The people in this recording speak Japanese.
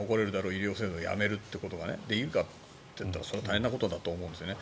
医療制度をやめることができるかって言ったらそれは大変なことだと思うんですね。